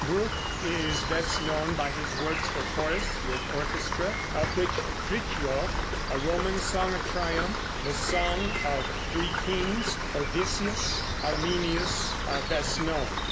Bruch is best known by his works for chorus with orchestra, of which "Frithjof," "A Roman Song of Triumph," "The Song of the Three Kings," "Odysseus," "Arminius" are best known.